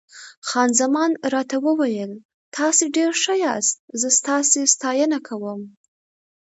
خان زمان راته وویل: تاسي ډېر ښه یاست، زه ستاسي ستاینه کوم.